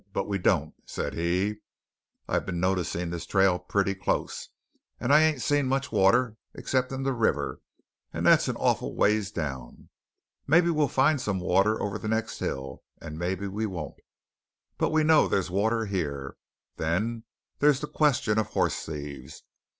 But we don't," said he. "I've been noticing this trail pretty close; and I ain't seen much water except in the river; and that's an awful ways down. Maybe we'll find some water over the next hill, and maybe we won't. But we know there's water here. Then there's the question of hoss thieves.